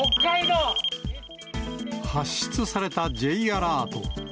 発出されたＪアラート。